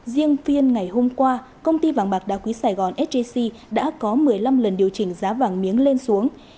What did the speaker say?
riêng phiên ngày hôm qua công ty vàng bạc đa quý sài gòn sjc đã có một mươi năm lần điều chỉnh giá vàng miếng lên xuống